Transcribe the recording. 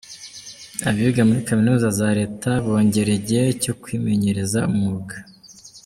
Abiga muri Kaminuza za Reta bongerewe igihe cyo kwimenyereza umwuga